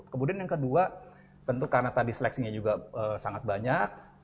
kemudian yang kedua tentu karena tadi seleksinya juga sangat banyak